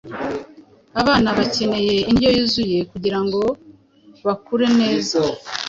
Abana bakeneye indyo yuzuye kugira ngo bakure neza.